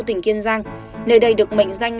tỉnh kiên giang nơi đây được mệnh danh